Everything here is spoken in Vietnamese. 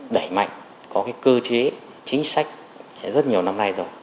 đẩy mạnh có cái cơ chế chính sách rất nhiều năm nay rồi